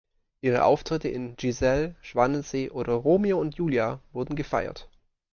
Ihre Auftritte in Giselle, Schwanensee oder Romeo und Julia wurden gefeiert.